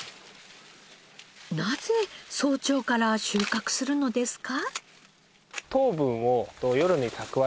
なぜ早朝から収穫するのですか？